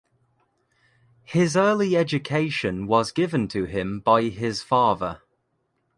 His early education was given to him by his father.